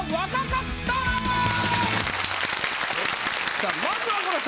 さあまずはこの人！